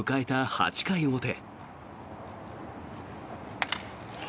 ８回表。